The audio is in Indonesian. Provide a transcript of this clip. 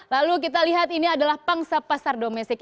lalu kita lihat ini adalah pangsa pasar domestik